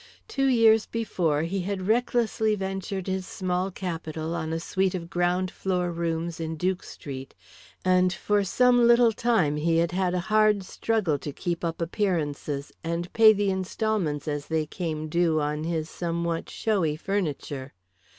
Two years before he had recklessly ventured his small capital on a suite of ground floor rooms in Duke Street, and for some little time he had had a hard struggle to keep up appearances, and pay the instalments as they came due on his somewhat showy furniture.